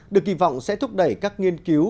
được kỳ vọng sẽ thúc đẩy các nghiên cứu